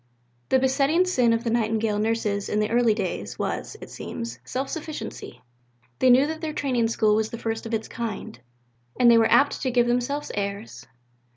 The besetting sin of the Nightingale Nurses in the early days was, it seems, self sufficiency. They knew that their Training School was the first of its kind; and they were apt to give themselves airs.